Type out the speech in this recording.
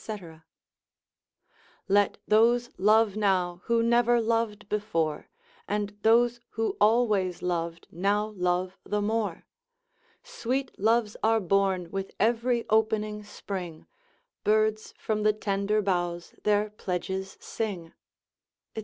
——— Let those love now who never loved before, And those who always loved now love the more; Sweet loves are born with every opening spring; Birds from the tender boughs their pledges sing, &c.